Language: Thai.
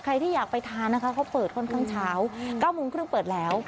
ใครที่อยากไปทานนะคะเขาเปิดค่อนข้างเช้า๙โมงครึ่งเปิดแล้ว